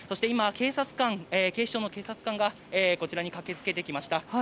今、警視庁の警察官がこちらに駆けつけてきました。